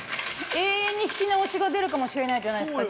◆永遠に引き直しが出るかもしれないじゃないですか。